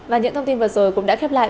và những thông tin vừa rồi cũng đã khép lại